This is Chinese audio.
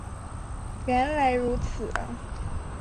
原来如此啊